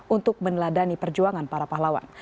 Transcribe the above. untuk meneladani perjuangan para pahlawan